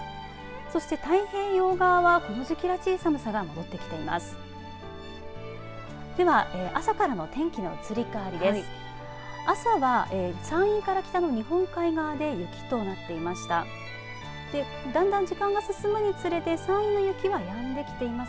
そして太平洋側はこの時期らしい寒さが戻ってきています。